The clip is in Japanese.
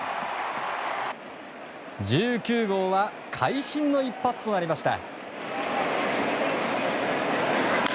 １９号は会心の一発となりました。